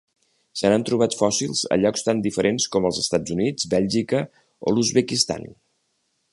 Se n'han trobat fòssils a llocs tan diferents com els Estats Units, Bèlgica o l'Uzbekistan.